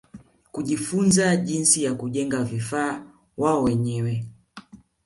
Kujifunza jinsi ya kujenga vifaa wao wenyewe